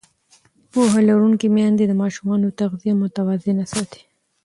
پوهه لرونکې میندې د ماشومانو تغذیه متوازنه ساتي.